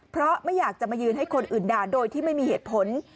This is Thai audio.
เพราะไม่อยากจะมายืนให้คนอื่นด่าโดยที่ไม่มีเหตุผล